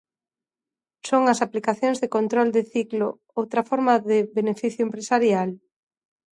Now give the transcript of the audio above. Son as aplicacións de control de ciclo outra forma de beneficio empresarial?